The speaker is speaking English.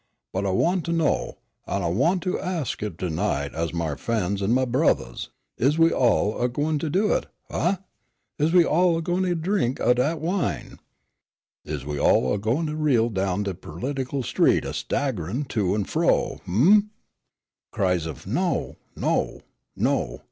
But I want to know, an' I want to ax you ter night as my f'en's an' my brothahs, is we all a gwineter do it huh? Is we all a gwineter drink o' dat wine? Is we all a gwineter reel down de perlitical street, a staggerin' to an' fro? hum!" Cries of "No! No! No!"